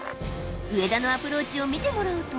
上田のアプローチを見てもらうと。